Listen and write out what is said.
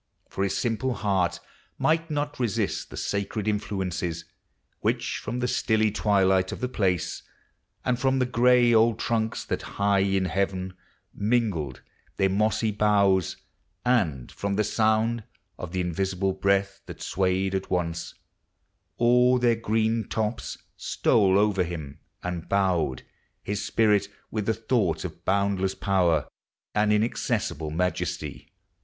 For his simple heart Might not resist the sacred influences Which, from the stilly twilight of the place, And from the gray old trunks that high in heaven Mingled their mossy boughs, and from the sound Of the invisible breath that swayed at once All their given tops, stole over him, and bowed His spirit with the thought of boundless power And inaccessible majesty.